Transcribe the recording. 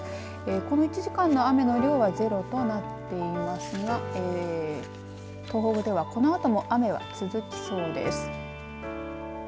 この１時間の雨の量はゼロとなっていますが東北ではこのあとも雨が続きそうです。